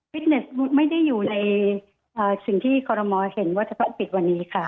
เน็ตไม่ได้อยู่ในสิ่งที่คอรมอลเห็นว่าจะต้องปิดวันนี้ค่ะ